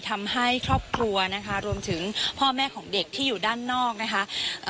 ทำให้ครอบครัวนะคะรวมถึงพ่อแม่ของเด็กที่อยู่ด้านนอกนะคะ